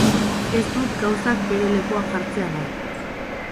Ez dut gauzak bere lekuan jartzea nahi.